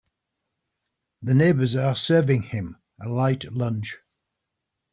The neighbors are serving him a light lunch.